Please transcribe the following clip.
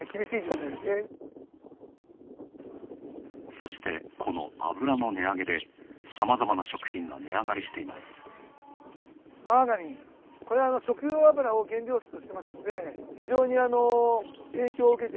そして、この油の値上げでさまざまな食品が値上がりしています。